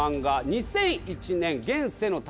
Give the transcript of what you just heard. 『２００１年現世の旅』。